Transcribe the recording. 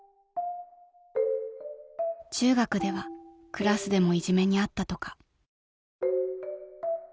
［中学ではクラスでもいじめに遭ったとか］